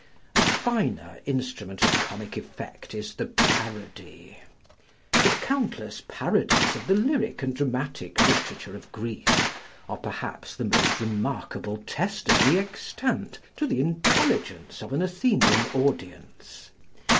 A finer instrument of comic effect is the parody. The countless parodies of the lyric and dramatic literature of Greece are perhaps the most remarkable testimony extant to the intelligence of an Athenian audience.